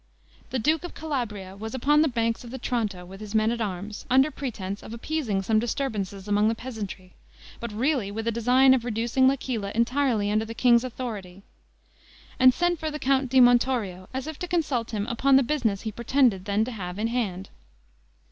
The duke of Calabria was upon the banks of the Tronto with his men at arms, under pretense of appeasing some disturbances among the peasantry; but really with a design of reducing L'Aquila entirely under the king's authority, and sent for the Count di Montorio, as if to consult him upon the business he pretended then to have in hand.